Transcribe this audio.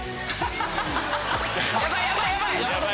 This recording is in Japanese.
ヤバいヤバいヤバい！